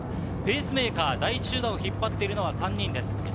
ペースメーカー第１集団を引っ張っているのは３人です。